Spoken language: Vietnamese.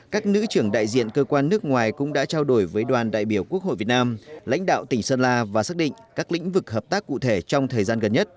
các nữ trưởng đại diện cơ quan nước ngoài cũng đã trao đổi với đoàn đại biểu quốc hội việt nam lãnh đạo tỉnh sơn la và xác định các lĩnh vực hợp tác cụ thể trong thời gian gần nhất